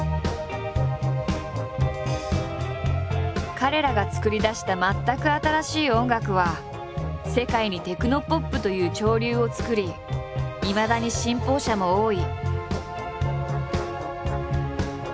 彼らが作り出した全く新しい音楽は世界に「テクノポップ」という潮流を作りいまだに信奉者も多い。